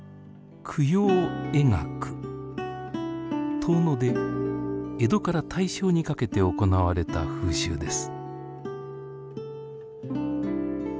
遠野で江戸から大正にかけて行われた風習です。